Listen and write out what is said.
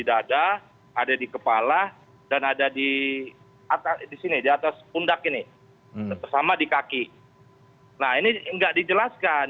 kepala ada di kepala dan ada di atas di sini di atas pundak ini sama di kaki nah ini enggak dijelaskan